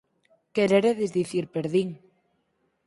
Quereredes dicir perdín.